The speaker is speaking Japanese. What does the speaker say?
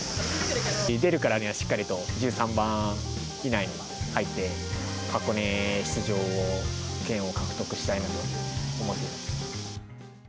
出るからにはしっかりと、１３番以内に入って、箱根出場権を獲得したいなと思っています。